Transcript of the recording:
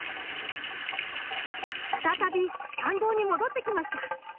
再び参道に戻ってきました。